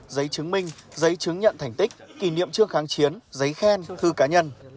giấy chứng minh giấy chứng nhận thành tích kỷ niệm trước kháng chiến giấy khen thư cá nhân